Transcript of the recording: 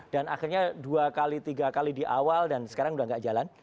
dan akhirnya dua kali tiga kali di awal dan sekarang sudah tidak jalan